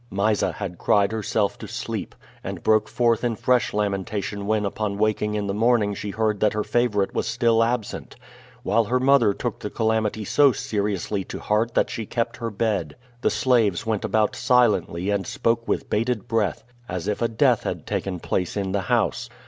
Mysa had cried herself to sleep, and broke forth in fresh lamentation when upon waking in the morning she heard that her favorite was still absent; while her mother took the calamity so seriously to heart that she kept her bed. The slaves went about silently and spoke with bated breath, as if a death had taken place in the house.